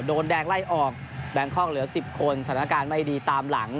โดนแดงไล่ออกแบงคอกเหลือ๑๐คนสถานการณ์ไม่ดีตามหลัง